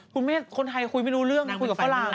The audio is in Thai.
คุณแม่คนไทยคุยไม่รู้เรื่องคุยกับฝรั่ง